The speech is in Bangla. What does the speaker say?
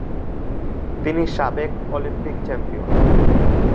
তিনি সাবেক অলিম্পিক চ্যাম্পিয়ন।